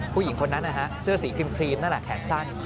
ผู้หญิงคนนั้นนะฮะเสื้อสีครีมนั่นแหละแขนสั้น